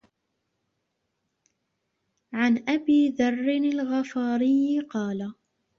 عَنْ أَبِي ذَرٍّ الْغِفَارِيِّ قَالَ